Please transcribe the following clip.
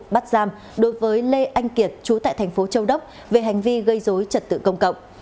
bắt giam đối với lê anh kiệt chú tại tp châu đốc về hành vi gây dối trật tự công cộng